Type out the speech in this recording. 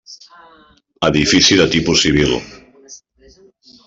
Edifici de tipus civil.